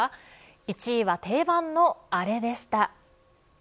１位は定番のアレでした。